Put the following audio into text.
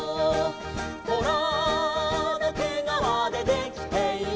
「トラのけがわでできている」